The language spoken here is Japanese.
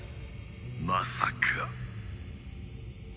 まさか。